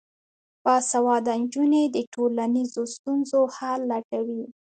باسواده نجونې د ټولنیزو ستونزو حل لټوي.